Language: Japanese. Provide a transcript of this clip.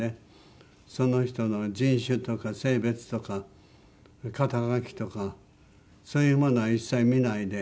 その人の人種とか性別とか肩書とかそういうものは一切見ないで。